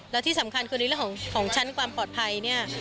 แล้วที่สำคัญคือในเรื่องของชั้นความปลอดภัยเนี่ย